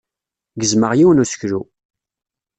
Gezmeɣ yiwen n useklu.